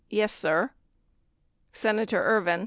Yes, sir. Senator Ervin.